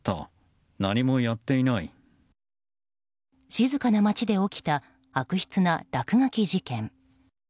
静かな街で起きた悪質な落書き事件。